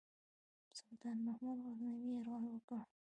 سلطان محمود غزنوي یرغل وکړ.